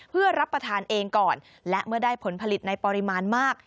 เพื่อรับประทานเองก่อนและเมื่อได้ผลผลิตในปริมาณมาก